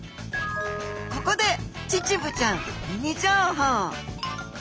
ここでチチブちゃんミニ情報。